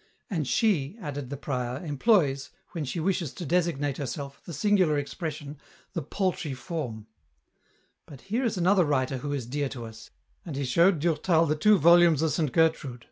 " And she," added the prior, *' employs, when she wishes to designate herself, the singular expression, ' the paltry form.' But here is another writer who is dear to us," and he showed Durtal the two volumes of Saint Gertrude.